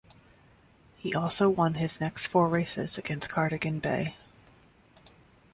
He also won his next four races against Cardigan Bay.